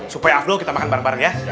supaya afdol kita makan bareng bareng ya